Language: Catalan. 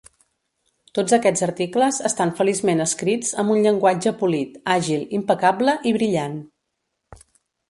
Tots aquests articles estan feliçment escrits amb un llenguatge polit, àgil, impecable i brillant.